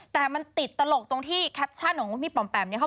แต่เต็ดตลกที่พี่ปอ่มแปมบอกว่า